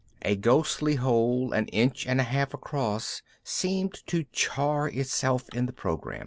A ghostly hole an inch and a half across seemed to char itself in the program.